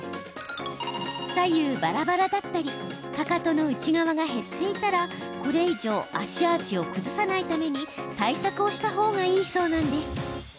左右ばらばらだったりかかとの内側が減っていたらこれ以上、足アーチを崩さないために対策をしたほうがいいそうなんです。